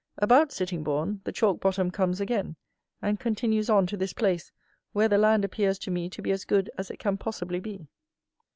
About Sittingbourne the chalk bottom comes again, and continues on to this place, where the land appears to me to be as good as it can possibly be.